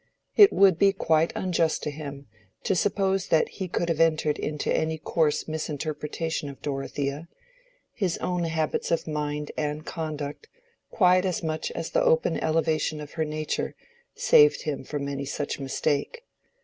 It would be quite unjust to him to suppose that he could have entered into any coarse misinterpretation of Dorothea: his own habits of mind and conduct, quite as much as the open elevation of her nature, saved him from any such mistake.